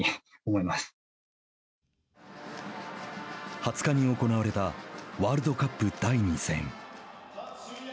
２０日に行われたワールドカップ第２戦。